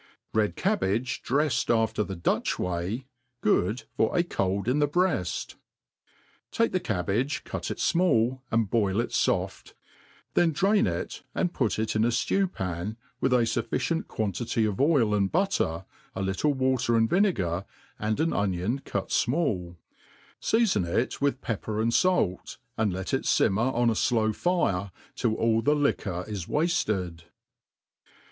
Hid Cabbage dvejfed after the Dutch JVay^ good fit a Cold v§ the BreaJI. TAKE the cabbage, cut it fmall, and boil it foft, then drain it, and put it in a Itew pan, with a fufiicient c^uantity of oi| ^ and butter, a little water and vinegar, and an onion cut fmall i feafon it with pepper and fait, and let it fimm.er on a flow iire^ till all the li^or is wafted.